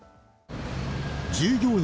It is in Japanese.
従業員